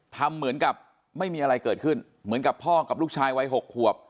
ทำเหมือนกับไม่มีอะไรเกิดขึ้นเหมือนกับพ่อกับลูกชายวัย๖ขวบ